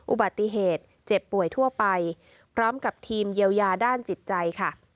อุบัติเหตุเจ็บป่วยทั่วไปพร้อมกับทีมเยียวยาด้านจิตใจค่ะ